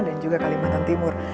dan juga kalimantan timur